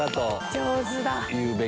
上手だ。